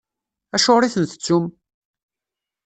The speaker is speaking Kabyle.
Acuɣeṛ i ten-tettum?